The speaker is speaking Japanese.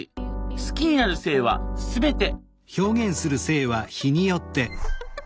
好きになる性は全て。